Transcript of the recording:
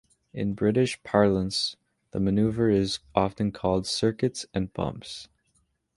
In British parlance, the maneuver is often called "circuits and bumps".